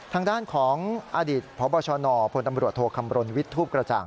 ทางด้านของอดิษฐ์พบชนพอโธควิทธูปกระจ่าง